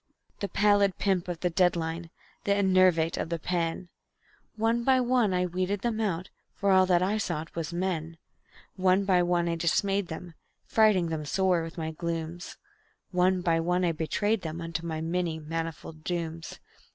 The pallid pimp of the dead line, the enervate of the pen, One by one I weeded them out, for all that I sought was Men. One by one I dismayed them, frighting them sore with my glooms; One by one I betrayed them unto my manifold dooms.